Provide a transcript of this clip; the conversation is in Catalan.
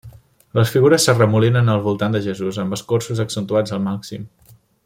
Les figures s'arremolinen al voltant de Jesús, amb escorços accentuats al màxim.